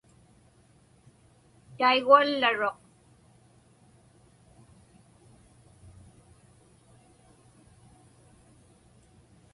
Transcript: Taiguallaruq.